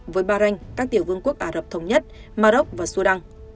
với bahrain các tiểu vương quốc ả rập thống nhất mà rốc và sudan